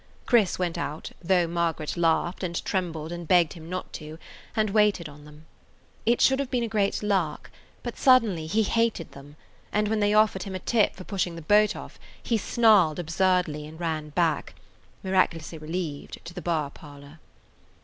Chris went out, though Margaret laughed and trembled and begged him not to, and waited on them. It should have been a great lark, but suddenly he hated them, and when they offered him a tip for push [Page 75] ing the boat off, he snarled absurdly and ran back; miraculously relieved, to the bar parlor.